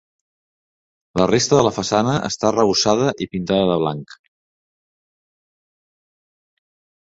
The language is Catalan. La resta de la façana està arrebossada i pintada de blanc.